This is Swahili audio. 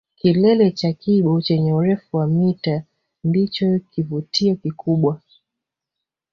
Kilele cha Kibo chenye urefu wa mita ndicho kivutio kikubwa